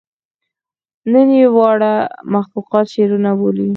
نن ئې واړه مخلوقات شعرونه بولي